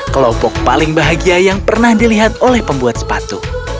kelompok paling bahagia yang pernah dilihat oleh pembuat sepatu